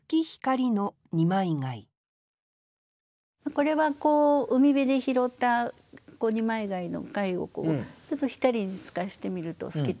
これは海辺で拾った二枚貝の貝をちょっと光に透かして見ると透けて見えたという。